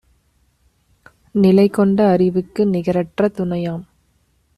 நிலைகொண்ட அறிவுக்கு நிகரற்ற துணையாம்;